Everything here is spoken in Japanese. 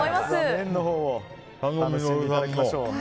麺のほうをお楽しみいただきましょう。